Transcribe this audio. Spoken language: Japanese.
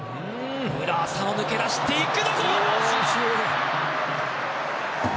浅野が抜け出していく！